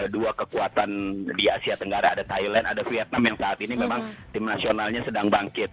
dua kekuatan di asia tenggara ada thailand ada vietnam yang saat ini memang tim nasionalnya sedang bangkit